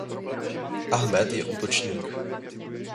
Ahmed je útočník.